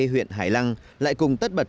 huyện hải lăng lại cùng tất bật